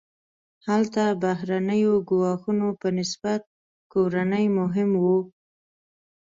هلته بهرنیو ګواښونو په نسبت کورني مهم وو.